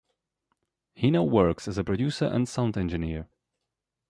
He now works as a producer and sound engineer.